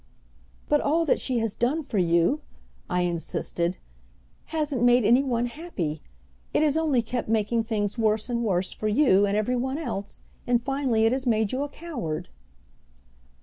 "But all that she has done for you," I insisted, "hasn't made any one happy. It has only kept making things worse and worse for you and every one else, and finally it has made you a coward."